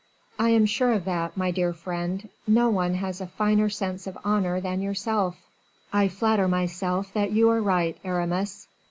"I am sure of that, my dear friend; no one has a finer sense of honor than yourself." "I flatter myself that you are right, Aramis."